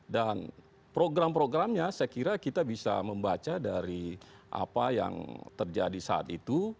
dan program programnya saya kira kita bisa membaca dari apa yang terjadi saat itu